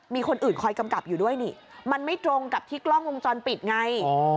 มีคนอื่นคอยกำกับอยู่ด้วยนี่มันไม่ตรงกับที่กล้องวงจรปิดไง